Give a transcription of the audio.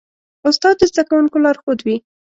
استاد د زدهکوونکو لارښود وي.